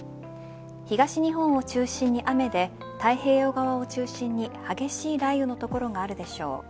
東日本を中心に雨で太平洋側を中心に激しい雷雨の所があるでしょう。